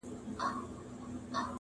چي يې غړي تښتول د رستمانو.!